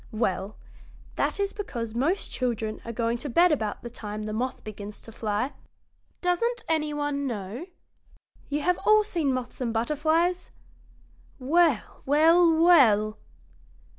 Well, that is because most children are going to bed about the time the moth begins to fly. Doesn't any one know? You have all seen moths and butterflies? Well, well, well!